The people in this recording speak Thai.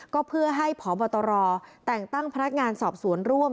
ก็เพื่อให้พบตรแต่งตั้งพนักงานสอบสวนร่วม